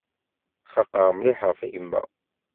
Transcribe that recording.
Xaqeɣ mliḥ ɣef yemma.